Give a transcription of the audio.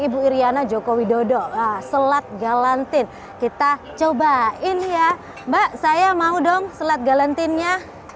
ibu iryana joko widodo selat galetin kita cobain ya mbak saya mau dong selat galetinnya